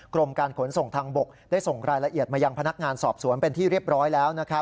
กรมการขนส่งทางบกได้ส่งรายละเอียดมายังพนักงานสอบสวนเป็นที่เรียบร้อยแล้ว